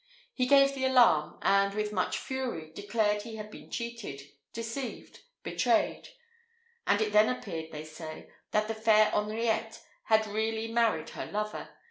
He gave the alarm, and with much fury declared he had been cheated, deceived, betrayed; and it then appeared, they say, that the fair Henriette had really married her lover.